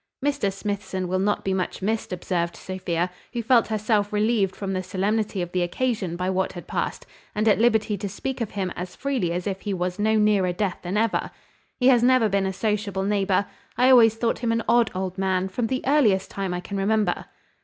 "Mr Smithson will not be much missed," observed Sophia, who felt herself relieved from the solemnity of the occasion, by what had passed, and at liberty to speak of him as freely as if he was no nearer death than ever. "He has never been a sociable neighbour. I always thought him an odd old man, from the earliest time I can remember."